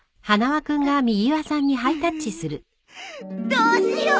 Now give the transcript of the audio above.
どうしよう！